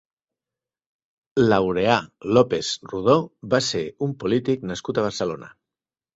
Laureà López Rodó va ser un polític nascut a Barcelona.